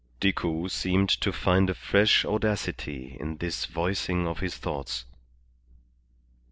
Decoud seemed to find a fresh audacity in this voicing of his thoughts.